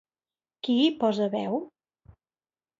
Qui hi posa veu?